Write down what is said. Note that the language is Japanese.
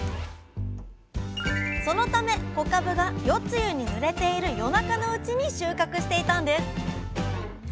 そのため小かぶが夜露にぬれている夜中のうちに収穫していたんです。